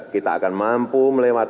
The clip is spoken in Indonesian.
kita akan mampu melewati keadaan yang berbeda